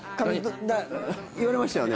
言われましたよね。